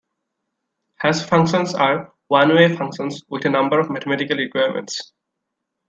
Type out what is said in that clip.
Hash functions are one-way functions with a number of mathematical requirements.